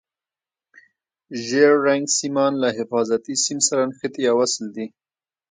ژیړ رنګ سیمان له حفاظتي سیم سره نښتي یا وصل دي.